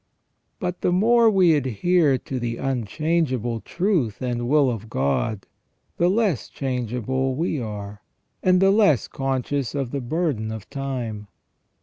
But the more we adhere to the unchangeable truth and will of God, the less changeable we are, and the less conscious of the burden of time.